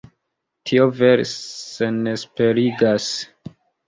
Tio vere senesperigas.